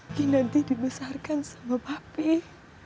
kinanti dibesarkan sama papih